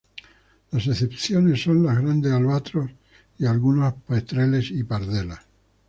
Las excepciones son los grandes albatros y algunos petreles y pardelas.